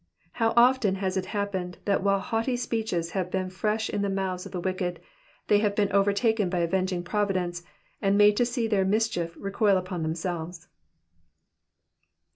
How often has it happened that while haughty speeches have been fresh in the mouths of the wicked they have been overtaken by avenging providence, and made to see their mischief recoil upon themselves